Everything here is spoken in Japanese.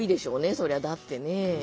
そりゃだってね。